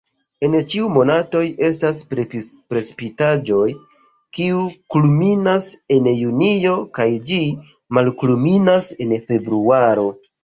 En ĉiuj monatoj estas precipitaĵoj, kiu kulminas en junio kaj ĝi malkulminas en februaro.